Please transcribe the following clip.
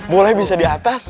bolanya bisa di atas